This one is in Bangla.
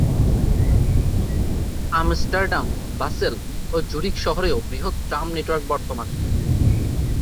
আমস্টারডাম, বাসেল ও জুরিখ শহরেও বৃহৎ ট্রাম নেটওয়ার্ক বর্তমান।